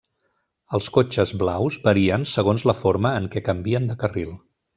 Els cotxes blaus varien segons la forma en què canvien de carril.